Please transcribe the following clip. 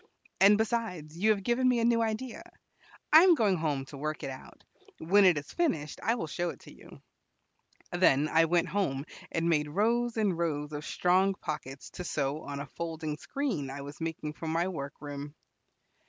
"And, besides, you have given me a new idea. I am going home to work it out. When it is finished, I will show it to you." Then I went home, and made rows and rows of strong pockets to sew on a folding screen I was making for my work room.